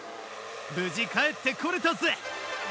無事帰ってこれたぜ。